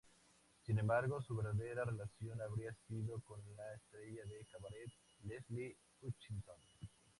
Sin embargo, su verdadera relación habría sido con la estrella de cabaret Leslie Hutchinson.